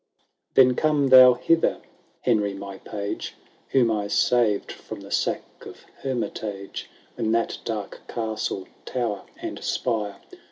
— VI. ^ Then come thou hither, Henry, my page, Whom I saved from the sack of Hermitage, When that dark castle, tower, and spire.